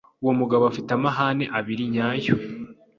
Uwo mugabo afite amahame abiri nyayo